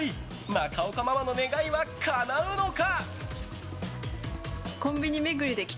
中岡ママの願いはかなうのか？